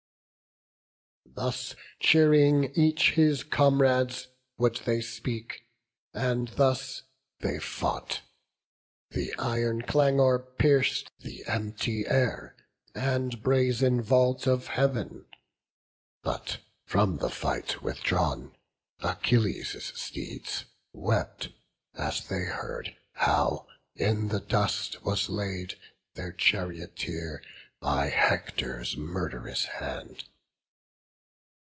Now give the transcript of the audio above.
Thus, cheering each his comrades, would they speak, And thus they fought; the iron clangour pierc'd The empty air, and brazen vault of Heav'n. But, from the fight withdrawn, Achilles' steeds Wept, as they heard how in the dust was laid Their charioteer, by Hector's murd'rous hand.